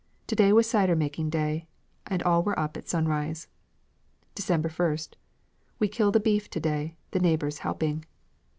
To day was cider making day, and all were up at sunrise." "December 1st. We killed a beef to day, the neighbours helping."